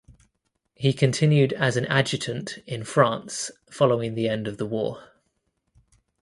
He continued as an adjutant in France following the end of the war.